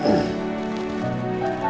sampai jumpa lagi